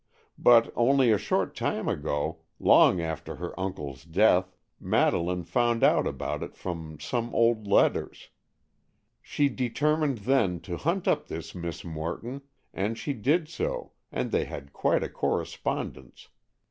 But only a short time ago, long after her uncle's death, Madeleine found out about it from some old letters. She determined then to hunt up this Miss Morton, and she did so, and they had quite a correspondence.